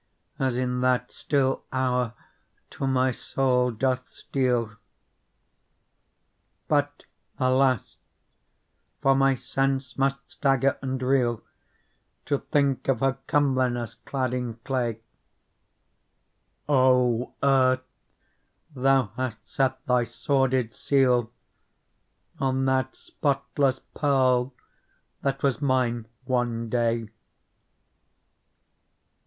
As in that still hour to my soul doth steal ! But alas ! for my sense must stagger and reel To think of her comeliness clad in clay. O Earth ! thou hast set thy sordid seal On that spotless Pearl that was mine one day